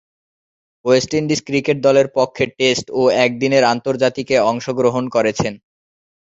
West Indies cricket দলের পক্ষে test ও একদিনের আন্তর্জাতিকে অংশগ্রহণ করেছেন।